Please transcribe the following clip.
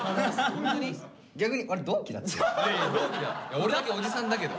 逆に俺だけおじさんだけど。